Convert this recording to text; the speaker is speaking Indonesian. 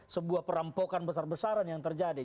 sebuah perampokan besar besaran yang terjadi